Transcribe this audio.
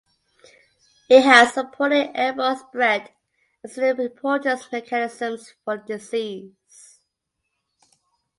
He has supported airborne spread as an importance mechanism for the disease.